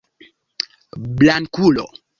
blankulo